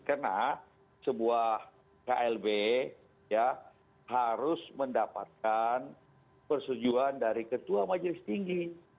karena sebuah klb harus mendapatkan persetujuan dari ketua majelis tinggi